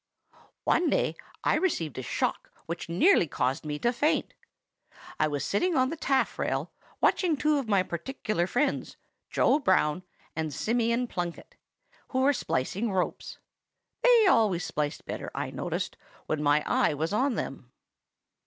"One day I received a shock which nearly caused me to faint. I was sitting on the taffrail, watching two of my particular friends, Joe Brown and Simeon Plunkett, who were splicing ropes. They always spliced better, I noticed, when my eye was on them.